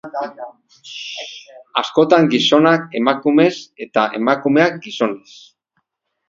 Askotan gizonak emakumez eta emakumeak gizonez.